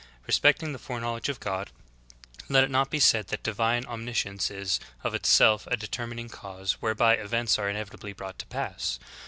Respecting the foreknowledge of God, let it not be said that divine omniscience is of itself a determining cause whereby events are inevitably brought to pass.